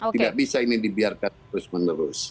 tidak bisa ini dibiarkan terus menerus